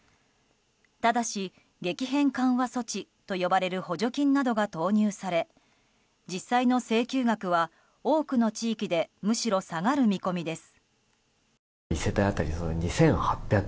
ただし、激変緩和措置と呼ばれる補助金などが投入され実際の請求額は、多くの地域でむしろ下がる見込みです。